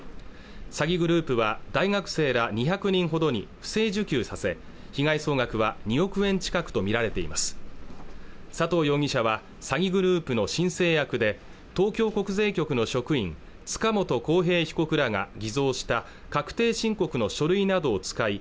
詐欺グループは大学生ら２００人ほどに不正受給させ被害総額は２億円近くと見られています佐藤容疑者は詐欺グループの申請役で東京国税局の職員塚本晃平被告らが偽造した確定申告の書類などを使い